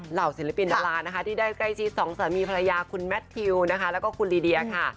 เหล่าศิลปินดรที่ได้ใกล้ชีส๒สามีภรรยาคุณแมททิวและคุณลีเดียค่ะ